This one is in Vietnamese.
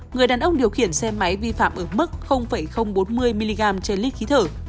người đàn ông điều khiển xe máy vi phạm ở mức bốn mươi mg trên lít khí thở